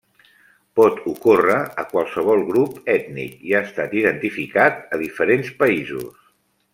Pot ocórrer a qualsevol grup ètnic i ha estat identificat a diferents països.